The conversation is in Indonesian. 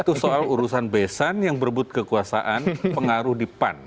itu soal urusan besan yang berebut kekuasaan pengaruh di pan